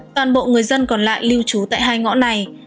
toàn bộ người dân còn lại lưu trú tại hai ngõ này